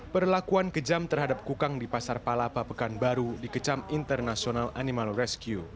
perlakuan kejam terhadap kukang di pasar palapa pekanbaru dikecam international animal rescue